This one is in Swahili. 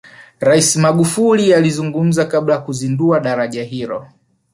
rais magufuli alizungumza kabla ya kuzindua daraja hilo